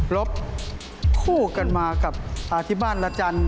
ลบคู่กันมากับอธิบาลระจันทร์